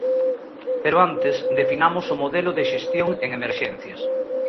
Pero antes definamos o modelo de xestión en emerxencias.